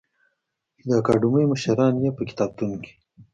چې د اکاډمۍ مشران یې په کتابتون کې